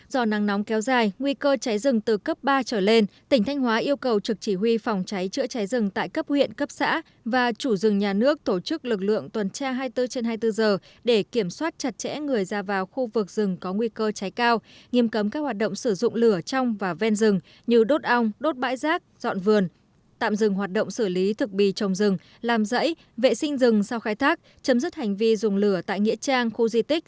do nắng nóng kéo dài nguy cơ cháy rừng từ cấp ba trở lên tỉnh thanh hóa yêu cầu trực chỉ huy phòng cháy chữa cháy rừng tại cấp huyện cấp xã và chủ rừng nhà nước tổ chức lực lượng tuần tra hai mươi bốn trên hai mươi bốn giờ để kiểm soát chặt chẽ người ra vào khu vực rừng có nguy cơ cháy cao nghiêm cấm các hoạt động sử dụng lửa trong và ven rừng như đốt ong đốt bãi rác dọn vườn tạm dừng hoạt động xử lý thực bì trong rừng làm rẫy vệ sinh rừng sau khai thác chấm dứt hành vi dùng lửa tại nghĩa trang khu di tích